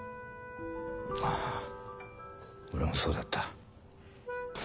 あぁ俺もそうだった。